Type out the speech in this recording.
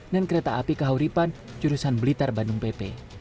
dan kereta api kahuripan jurusan blitar bandung pp